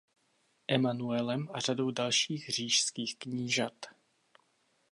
Emanuelem a řadou dalších říšských knížat.